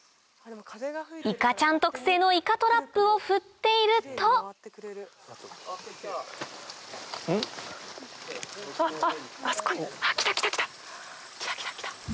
いかちゃん特製のいかトラップを振っているとあっあそこに来た来た！